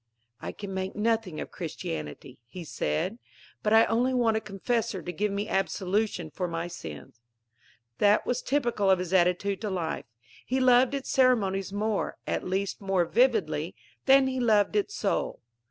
"I can make nothing of Christianity," he said, "but I only want a confessor to give me absolution for my sins." That was typical of his attitude to life. He loved its ceremonies more at least, more vividly than he loved its soul.